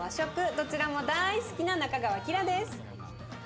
どちらも大好きな仲川希良です。